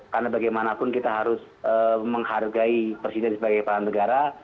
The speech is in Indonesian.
karena bagaimanapun kita harus menghargai presiden sebagai pahala negara